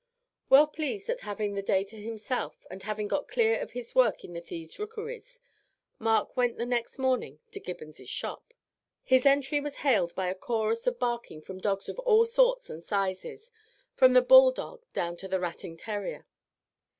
Well pleased at having the day to himself and of having got clear of his work in the thieves' rookeries, Mark went the next morning to Gibbons' shop. His entry was hailed by a chorus of barking from dogs of all sorts and sizes, from the bulldog down to the ratting terrier.